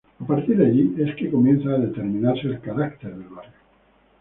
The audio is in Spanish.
A partir de allí es que comienza a determinarse el carácter del barrio.